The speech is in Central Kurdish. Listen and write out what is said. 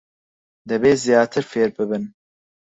دەبێت زیاتر فێر ببن.